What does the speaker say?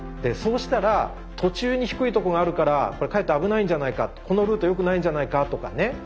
そうしたら途中に低いとこがあるからかえって危ないんじゃないかこのルート良くないんじゃないかとかね